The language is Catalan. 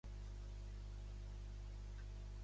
Acceptaries aquest pes, en qualsevol metall, per la noia?